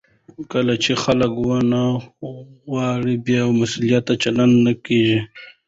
کله چې خلک ونډه واخلي، بې مسوولیته چلند نه کېږي.